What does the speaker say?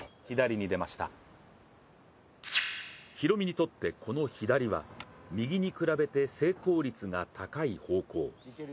ヒロミにとって、この左は右に比べて成功率が高い方向。